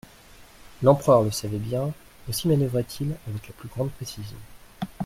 L'empereur le savait bien, aussi manœuvrait-il avec la plus grande précision.